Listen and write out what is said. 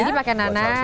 jadi pakai nanas